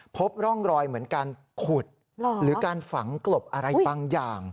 พบร่องรอยเหมือนการขุดหรือการฝังกลบอะไรบางอย่าง